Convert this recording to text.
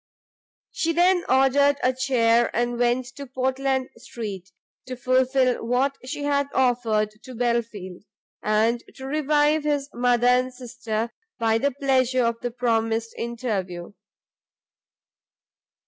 She then ordered a chair, and went to Portland street, to fulfil what she had offered to Belfield, and to revive his mother and sister by the pleasure of the promised interview.